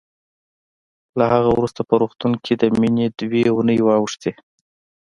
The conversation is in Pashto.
له هغې وروسته په روغتون کې د مينې دوه اوونۍ واوښتې